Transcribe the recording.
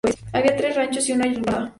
Había tres ranchos y una ramada.